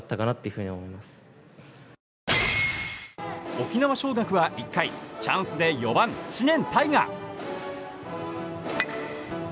沖縄尚学は１回チャンスで４番、知念大河。